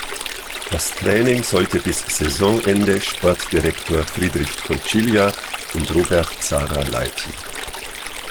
Das Training sollte bis Saisonende Sportdirektor Friedrich Koncilia und Robert Sara leiten.